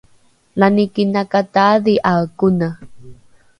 lani kinakataadhi’ae kone